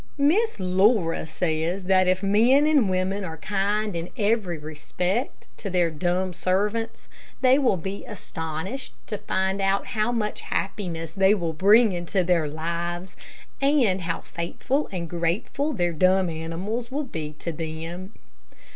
Miss Laura says that if men and women are kind in every respect to their dumb servants, they will be astonished to find how much happiness they will bring into their lives, and how faithful and grateful their dumb animals will be to them.